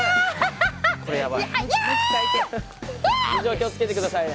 気を付けてくださいね。